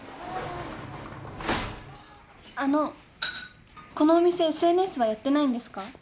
あのこのお店ＳＮＳはやってないんですか？